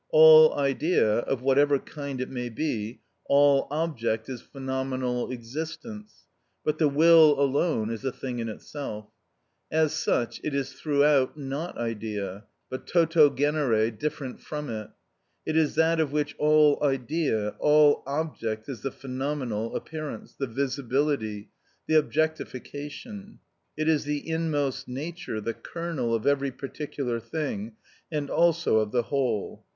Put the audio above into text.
All idea, of whatever kind it may be, all object, is phenomenal existence, but the will alone is a thing in itself. As such, it is throughout not idea, but toto genere different from it; it is that of which all idea, all object, is the phenomenal appearance, the visibility, the objectification. It is the inmost nature, the kernel, of every particular thing, and also of the whole.